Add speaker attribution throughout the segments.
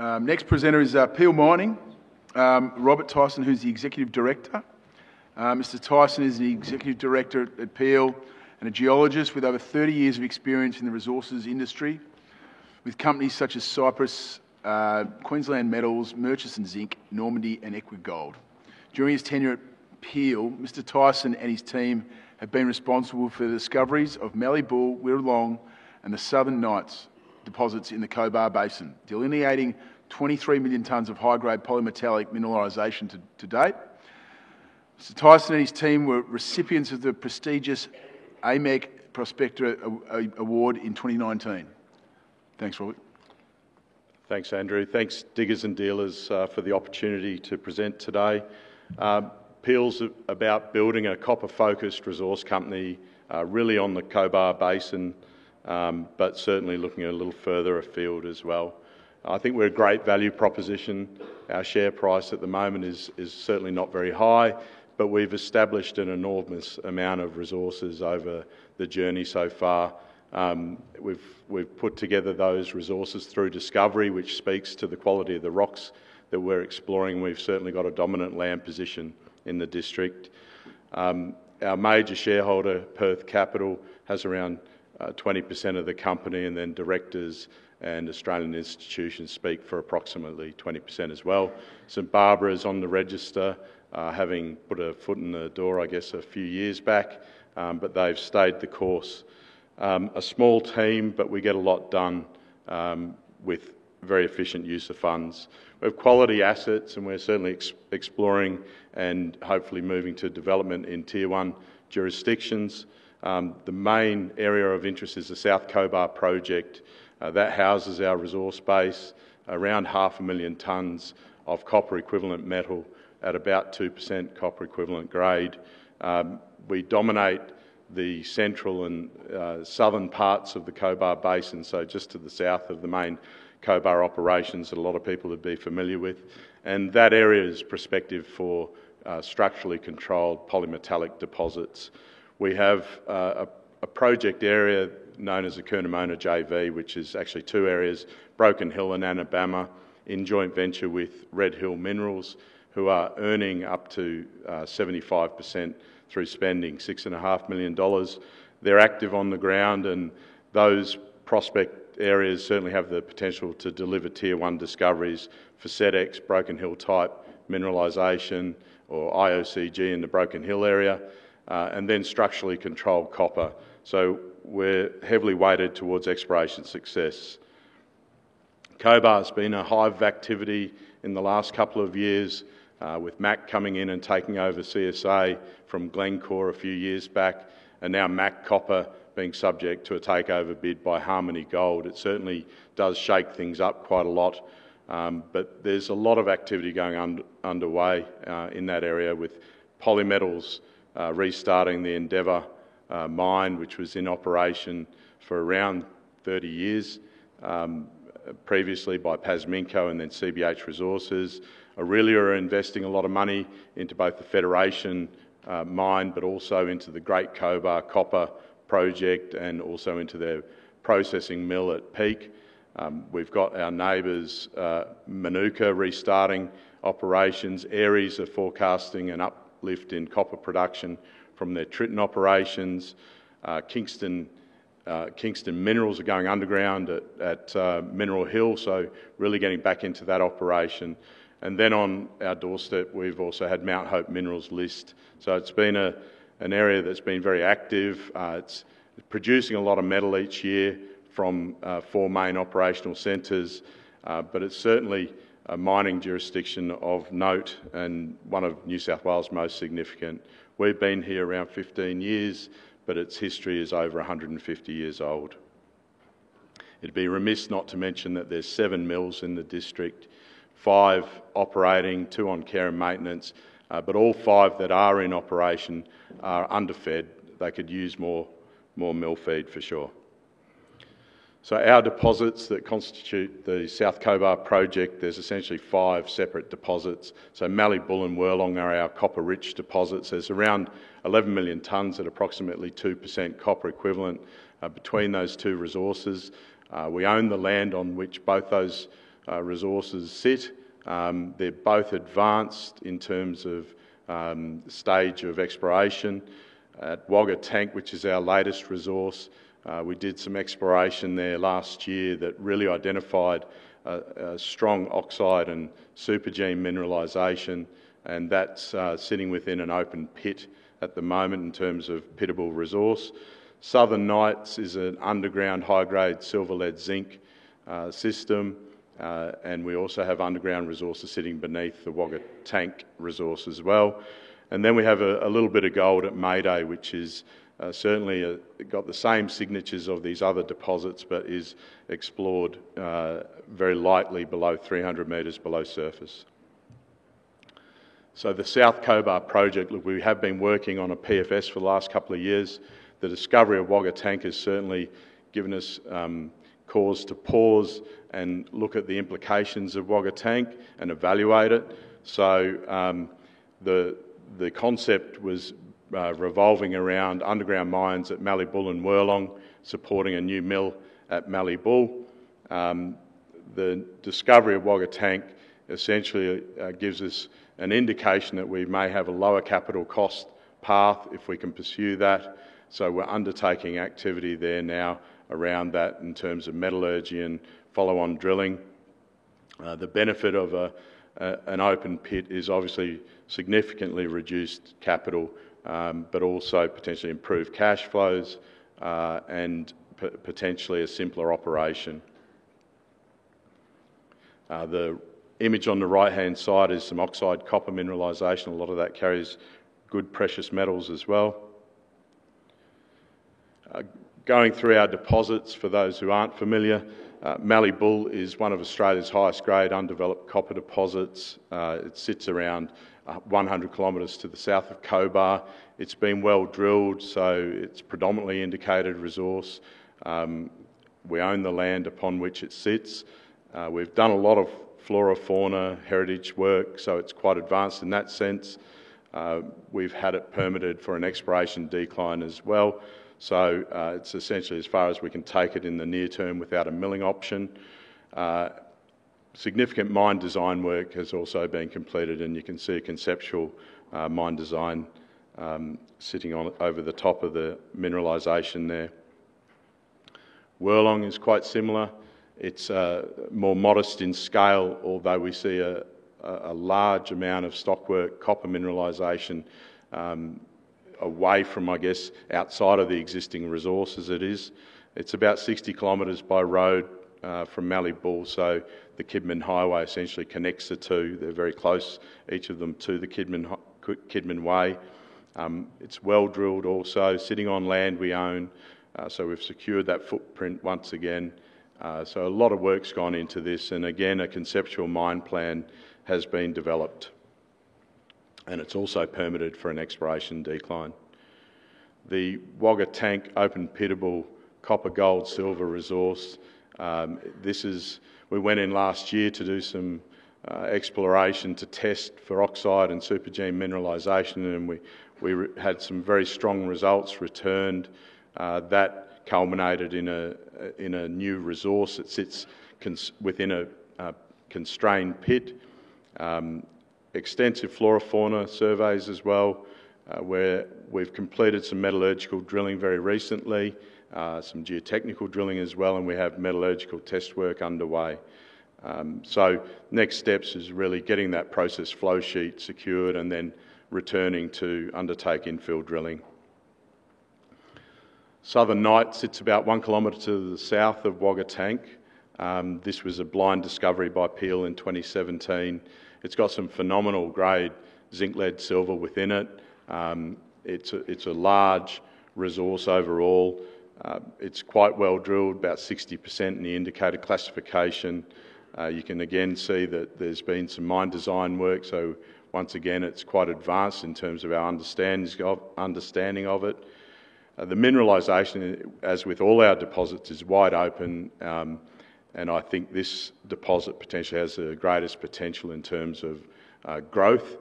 Speaker 1: Next presenter is Peel Mining Robert Tyson, who's the Executive Director. Mr. Tyson is the Executive Director at Peel and a geologist with over 30 years of experience in the resources industry with companies such as Cyprus, Queensland Metals, Murchison Zinc, Normandy, and Equigold. During his tenure at Peel, Mr. Tyson and his team have been responsible for the discoveries of Mallee Bull, Wirlong, and the Southern Nights deposits in the Cobar Basin, delineating 23 million tons of high-grade polymetallic mineralization to date. Mr. Tyson and his team were recipients of the prestigious AMEC Prospector Award in 2019. Thanks, Robert.
Speaker 2: Thanks, Andrew. Thanks, diggers and dealers, for the opportunity to present today. Peel's about building a copper-focused resource company, really on the Cobar Basin, but certainly looking a little further afield as well. I think we're a great value proposition. Our share price at the moment is certainly not very high, but we've established an enormous amount of resources over the journey so far. We've put together those resources through discovery, which speaks to the quality of the rocks that we're exploring. We've certainly got a dominant land position in the district. Our major shareholder, Perth Capital, has around 20% of the company, and then directors and Australian institutions speak for approximately 20% as well. Barber is on the register, having put a foot in the door, I guess, a few years back, but they've stayed the course. A small team, but we get a lot done with very efficient use of funds. We have quality assets, and we're certainly exploring and hopefully moving to development in Tier 1 jurisdictions. The main area of interest is the South Cobar Project. That houses our resource base, around half a million tons of copper equivalent metal at about 2% copper equivalent grade. We dominate the central and southern parts of the Cobar Basin, just to the south of the main Cobar operations that a lot of people would be familiar with. That area is prospective for structurally controlled polymetallic deposits. We have a project area known as the Kernowena Joint Venture, which is actually two areas: Broken Hill and Anabama, in joint venture with Red Hill Minerals, who are earning up to 75% through spending $6.5 million. They're active on the ground, and those prospect areas certainly have the potential to deliver Tier 1 discoveries for SEDEX, Broken Hill type mineralization, or IOCG in the Broken Hill area, and structurally controlled copper. We're heavily weighted towards exploration success. Cobar has been a hive of activity in the last couple of years, with MAC coming in and taking over CSA from Glencore a few years back, and now MAC being subject to a takeover bid by Harmony Gold. It certainly does shake things up quite a lot, but there's a lot of activity going on underway in that area with Polymetals restarting the Endeavour mine, which was in operation for around 30 years, previously by Pasminco and then CBH Resources. Really, we're investing a lot of money into both the Federation mine, but also into the Great Cobar Copper Project, and also into their processing mill at Peak. We've got our neighbors, Manuka, restarting operations, areas of forecasting and uplift in copper production from their Tritton operations. Kingston Minerals are going underground at Mineral Hill, really getting back into that operation. On our doorstep, we've also had Mount Hope Minerals list. It's been an area that's been very active. It's producing a lot of metal each year from four main operational centers. It's certainly a mining jurisdiction of note and one of New South Wales' most significant. We've been here around 15 years, but its history is over 150 years old. It'd be remiss not to mention that there's seven mills in the district, five operating, two on care and maintenance, but all five that are in operation are underfed. They could use more mill feed, for sure. Our deposits that constitute the South Cobar Project, there's essentially five separate deposits. Mallee Bull and Wirlong are our copper-rich deposits. There's around 11 million tons at approximately 2% copper equivalent between those two resources. We own the land on which both those resources sit. They're both advanced in terms of stage of exploration. At Wagga Tank, which is our latest resource, we did some exploration there last year that really identified strong oxide and supergene mineralization, and that's sitting within an open pit at the moment in terms of open-pittable resource. Southern Nights is an underground high-grade silver-lead-zinc system, and we also have underground resources sitting beneath the Wagga Tank resource as well. We have a little bit of gold at May Day, which has certainly got the same signatures of these other deposits, but is explored very lightly below 300 m below surface. The South Cobar Project, we have been working on a PFS for the last couple of years. The discovery of Wagga Tank has certainly given us cause to pause and look at the implications of Wagga Tank and evaluate it. The concept was revolving around underground mines at Mallee Bull and Wirlong, supporting a new mill at Mallee Bull. The discovery of Wagga Tank essentially gives us an indication that we may have a lower capital cost path if we can pursue that. We're undertaking activity there now around that in terms of metallurgy and follow-on drilling. The benefit of an open pit is obviously significantly reduced capital, but also potentially improved cash flows and potentially a simpler operation. The image on the right-hand side is some oxide copper mineralization. A lot of that carries good precious metals as well. Going through our deposits, for those who aren't familiar, Mallee Bull is one of Australia's highest-grade undeveloped copper deposits. It sits around 100 km to the south of Cobar. It's been well drilled, so it's a predominantly indicated resource. We own the land upon which it sits. We've done a lot of flora-fauna heritage work, so it's quite advanced in that sense. We've had it permitted for an exploration decline as well. It's essentially as far as we can take it in the near term without a milling option. Significant mine design work has also been completed, and you can see conceptual mine design sitting over the top of the mineralization there. Wirlong is quite similar. It's more modest in scale, although we see a large amount of stockwork copper mineralization away from, I guess, outside of the existing resources it is. It's about 60 kilometers by road from Mallee Bull, so the Kidman Highway essentially connects the two. They're very close, each of them, to the Kidman Way. It's well drilled also, sitting on land we own. We've secured that footprint once again. A lot of work's gone into this, and again, a conceptual mine plan has been developed, and it's also permitted for an exploration decline. The Wagga Tank open-pittable copper gold silver resource, we went in last year to do some exploration to test for oxide and supergene mineralization, and we had some very strong results returned. That culminated in a new resource that sits within a constrained pit. Extensive flora-fauna surveys as well, where we've completed some metallurgical drilling very recently, some geotechnical drilling as well, and we have metallurgical test work underway. Next steps is really getting that process flow sheet secured and then returning to undertake infill drilling. Southern Nights sits about one kilometer to the south of Wagga Tank. This was a blind discovery by Peel in 2017. It's got some phenomenal grade zinc lead silver within it. It's a large resource overall. It's quite well drilled, about 60% in the indicated classification. You can again see that there's been some mine design work, so once again, it's quite advanced in terms of our understanding of it. The mineralization, as with all our deposits, is wide open, and I think this deposit potentially has the greatest potential in terms of growth.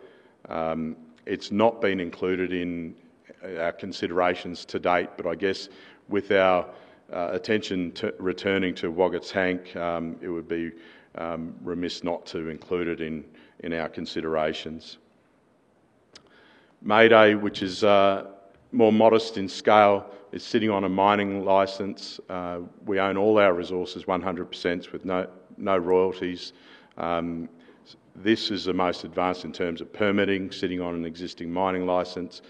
Speaker 2: It's not been included in our considerations to date, but I guess with our attention returning to Wagga Tank, it would be remiss not to include it in our considerations. May Day, which is more modest in scale, is sitting on a mining license. We own all our resources 100% with no royalties. This is the most advanced in terms of permitting, sitting on an existing mining license.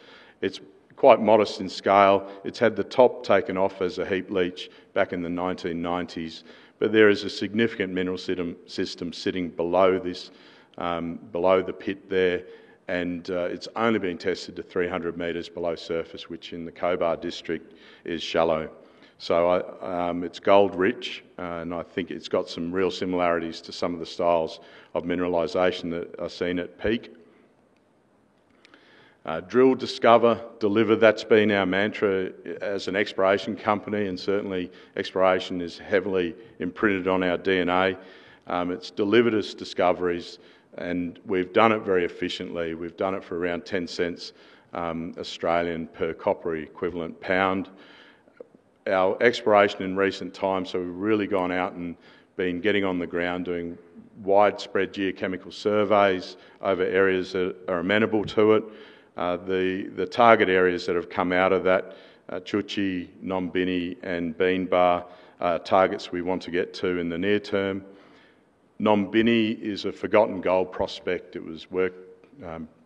Speaker 2: It's quite modest in scale. It's had the top taken off as a heap leach back in the 1990s, but there is a significant mineral system sitting below the pit there, and it's only been tested to 300 m below surface, which in the Cobar District is shallow. It's gold rich, and I think it's got some real similarities to some of the styles of mineralization that are seen at Peak. Drill, discover, deliver, that's been our mantra as an exploration company, and certainly exploration is heavily imprinted on our DNA. It's delivered us discoveries, and we've done it very efficiently. We've done it for around 0.10 Australian per copper equivalent pound. Our exploration in recent times, we've really gone out and been getting on the ground doing widespread geochemical surveys over areas that are amenable to it. The target areas that have come out of that, Chuchi, Nombinnie, and Beanbar are targets we want to get to in the near term. Nombinnie is a forgotten gold prospect. It was worked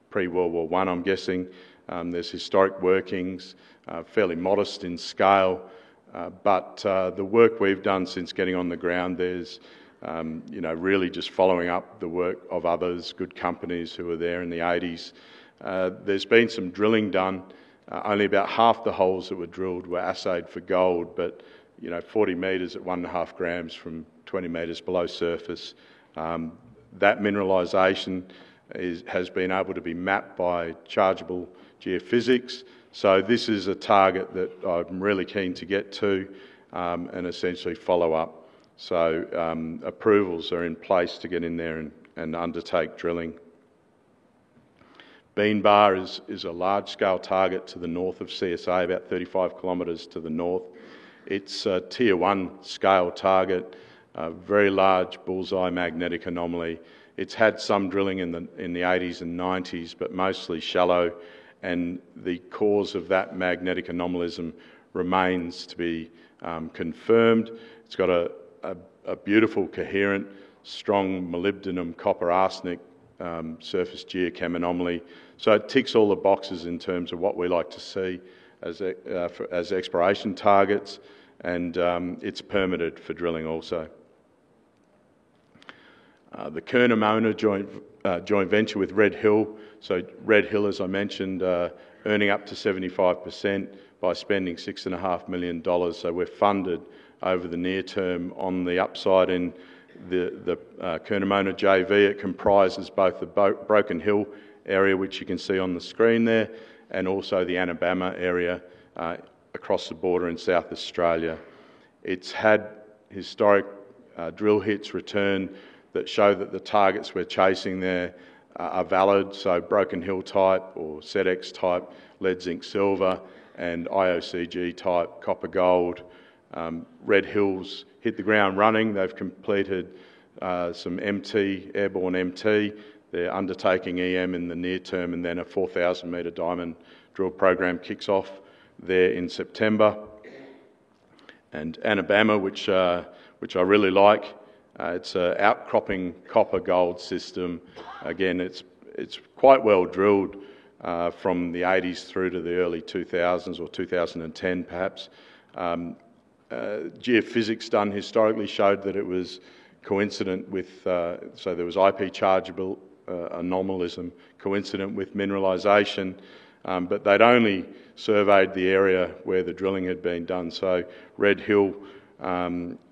Speaker 2: pre-World War I, I'm guessing. There's historic workings, fairly modest in scale, but the work we've done since getting on the ground, there's really just following up the work of others, good companies who were there in the 1980s. There's been some drilling done. Only about half the holes that were drilled were assayed for gold, but 40 m at 1.5 gm from 20 m below surface. That mineralization has been able to be mapped by chargeable geophysics. This is a target that I'm really keen to get to and essentially follow up. Approvals are in place to get in there and undertake drilling. Beanbar is a large-scale target to the north of CSA, about 35 km to the north. It's a Tier 1-scale target, a very large bullseye magnetic anomaly. It's had some drilling in the 1980s and 1990s, but mostly shallow, and the cause of that magnetic anomalism remains to be confirmed. It's got a beautiful, coherent, strong molybdenum copper arsenic surface geochem anomaly. It ticks all the boxes in terms of what we like to see as exploration targets, and it's permitted for drilling also. The Kernowena Joint Venture with Red Hill. Red Hill, as I mentioned, earning up to 75% by spending 6.5 million dollars. We're funded over the near term on the upside in the Kernowena JV. It comprises both the Broken Hill area, which you can see on the screen there, and also the Anabama area across the border in South Australia. It's had historic drill hits return that show that the targets we're chasing there are valid. Broken Hill type or SEDEX type lead zinc silver and IOCG type copper gold. Red Hill's hit the ground running. They've completed some Airborne MT. They're undertaking EM in the near term, and then a 4,000-meter diamond drill program kicks off there in September. Anabama, which I really like, it's an outcropping copper gold system. It's quite well drilled from the '80s through to the early 2000s or 2010 perhaps. Geophysics done historically showed that it was coincident with, so there was IP chargeable anomalism coincident with mineralization, but they'd only surveyed the area where the drilling had been done. Red Hill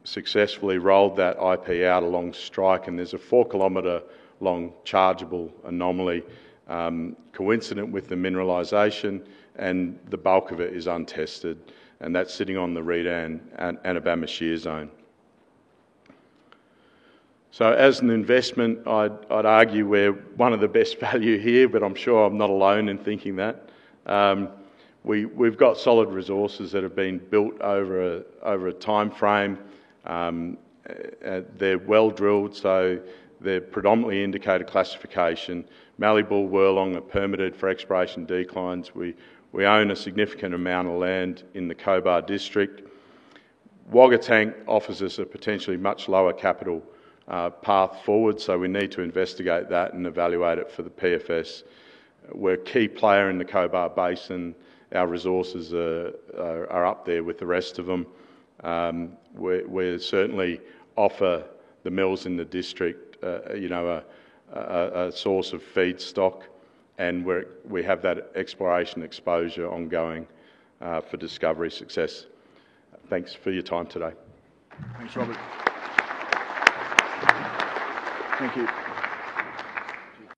Speaker 2: successfully rolled that IP out along strike, and there's a four-kilometer long chargeable anomaly coincident with the mineralization, and the bulk of it is untested, and that's sitting on the Reed and Anabama shear zone. As an investment, I'd argue we're one of the best value here, but I'm sure I'm not alone in thinking that. We've got solid resources that have been built over a timeframe. They're well drilled, so they're predominantly indicated classification. Mallee Bull, Wirlong are permitted for exploration declines. We own a significant amount of land in the Cobar District. Wagga Tank offers us a potentially much lower capital path forward, so we need to investigate that and evaluate it for the PFS. We're a key player in the Cobar Basin. Our resources are up there with the rest of them. We certainly offer the mills in the district a source of feedstock, and we have that exploration exposure ongoing for discovery success. Thanks for your time today.
Speaker 1: Thanks, Robert.
Speaker 2: Thank you.